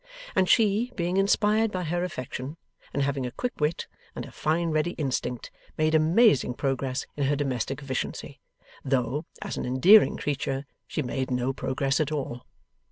And she, being inspired by her affection, and having a quick wit and a fine ready instinct, made amazing progress in her domestic efficiency, though, as an endearing creature, she made no progress at all.